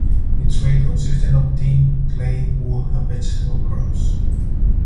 The trade consisted of tin, clay, wool, and vegetable crops.